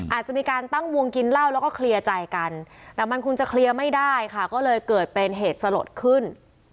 อาจจะมีการตั้งวงกินเหล้าแล้วก็เคลียร์ใจกันแต่มันคงจะเคลียร์ไม่ได้ค่ะก็เลยเกิดเป็นเหตุสลดขึ้น